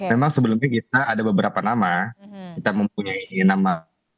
memang sebelumnya kita ada beberapa nama kita mempunyai nama